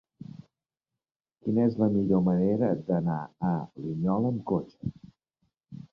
Quina és la millor manera d'anar a Linyola amb cotxe?